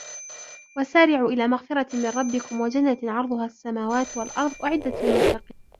وَسَارِعُوا إِلَى مَغْفِرَةٍ مِنْ رَبِّكُمْ وَجَنَّةٍ عَرْضُهَا السَّمَاوَاتُ وَالْأَرْضُ أُعِدَّتْ لِلْمُتَّقِينَ